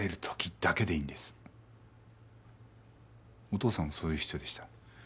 お父さんもそういう人でした。